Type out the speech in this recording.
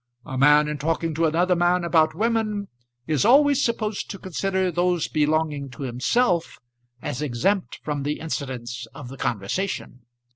A man in talking to another man about women is always supposed to consider those belonging to himself as exempt from the incidents of the conversation.